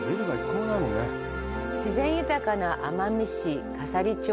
自然豊かな奄美市笠利町。